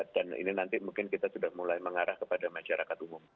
dan ini nanti mungkin kita sudah mulai mengarah kepada masyarakat umum